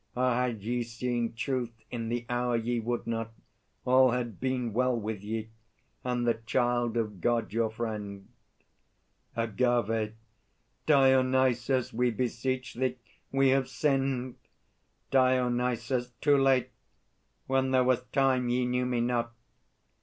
Ah, had ye seen Truth in the hour ye would not, all had been Well with ye, and the Child of God your friend! AGAVE. Dionysus, we beseech thee! We have sinned! DIONYSUS. Too late! When there was time, ye knew me not!